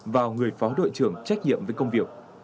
vào người phó đội trưởng trách nhiệm với công việc